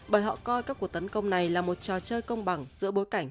bởi họ coi các cuộc tấn công này là một trò chơi công bằng giữa bối cảnh